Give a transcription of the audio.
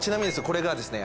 これがですね